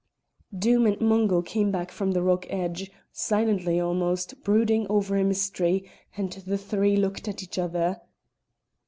Doom and Mungo came back from the rock edge, silently almost, brooding over a mystery, and the three looked at each other.